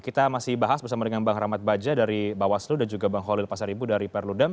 kita masih bahas bersama dengan bang rahmat baja dari bawaslu dan juga bang holil pasar ibu dari perludem